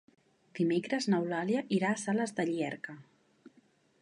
Dimecres n'Eulàlia irà a Sales de Llierca.